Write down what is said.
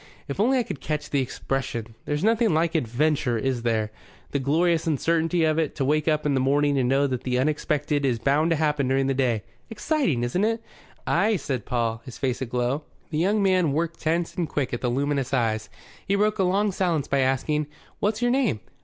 If only I could catch the expression! There's nothing like adventure, is there? The glorious uncertainty of it! To wake up in the morning and know that the unexpected is bound to happen during the day. Exciting, isn't it?" "Ay," said Paul, his face aglow. The young man worked tense and quick at the luminous eyes. He broke a long silence by asking, "What's your name?"